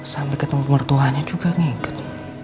sampai ketemu mertuanya juga ngikut